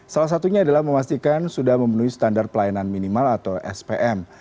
salah satunya adalah memastikan sudah memenuhi standar pelayanan minimal atau spm